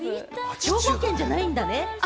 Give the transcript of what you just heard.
兵庫県じゃないんだね。